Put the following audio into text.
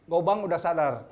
gobang udah sadar